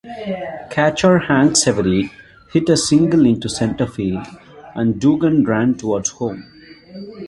Catcher Hank Severeid hit a single into center field, and Dugan ran towards home.